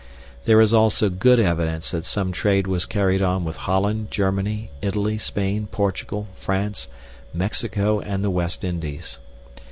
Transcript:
There is also good evidence that some trade was carried on with Holland, Germany, Italy, Spain, Portugal, France, Mexico, and the West Indies.